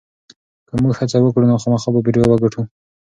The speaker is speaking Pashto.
که موږ هڅه وکړو نو خامخا به بریا وګټو.